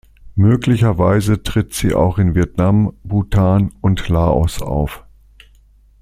Möglicherweise tritt sie auch in Vietnam, Bhutan und Laos auf.